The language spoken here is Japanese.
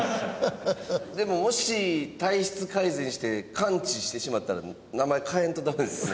でももし体質改善して完治してしまったら名前変えないとダメですね。